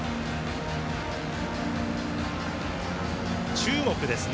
中国ですね。